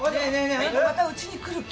あなたまたうちに来る気？